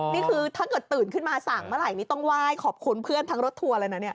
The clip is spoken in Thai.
นี่คือถ้าเกิดตื่นขึ้นมาสั่งเมื่อไหร่นี่ต้องไหว้ขอบคุณเพื่อนทั้งรถทัวร์เลยนะเนี่ย